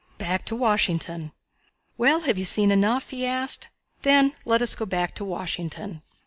Back to Washington. "Well, have you seen enough?" he asked. "Then let us go back to Washington."